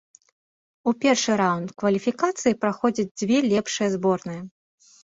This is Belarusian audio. У першы раўнд кваліфікацыі праходзяць дзве лепшыя зборныя.